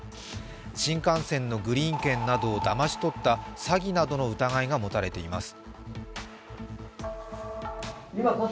新幹線のグリーン券などをだまし取った詐欺などの疑いが持たれています。